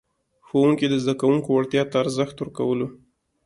ښوونکي د زده کوونکو وړتیا ته ارزښت ورکولو.